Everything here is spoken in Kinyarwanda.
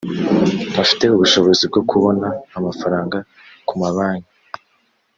afite ubushobozi bwo kubona amafaranga ku mabanki